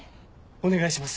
お願いします。